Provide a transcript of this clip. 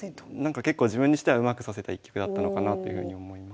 結構自分にしてはうまく指せた一局だったのかなというふうに思います。